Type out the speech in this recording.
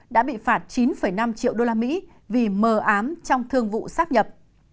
đã bị phạt chín năm triệu usd vì mờ ám trong thương vụ xác nhập